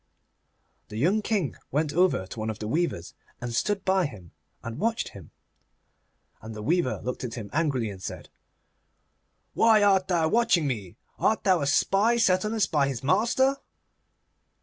The young King went over to one of the weavers, and stood by him and watched him. And the weaver looked at him angrily, and said, 'Why art thou watching me? Art thou a spy set on us by our master?